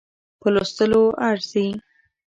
په لوستلو ارزي.